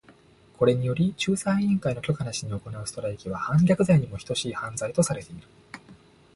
これにより、仲裁委員会の許可なしに行うストライキは反逆罪にも等しい犯罪とされている。